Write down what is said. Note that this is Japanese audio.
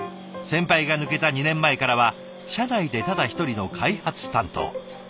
先輩が抜けた２年前からは社内でただ１人の開発担当。